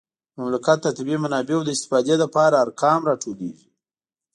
د مملکت د طبیعي منابعو د استفادې لپاره ارقام راټولیږي